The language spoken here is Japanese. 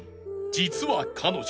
［実は彼女］